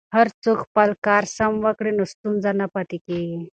که هر څوک خپل کار سم وکړي نو ستونزه نه پاتې کیږي.